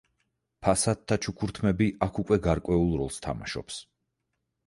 ფასადთა ჩუქურთმები აქ უკვე გარკვეულ როლს თამაშობს.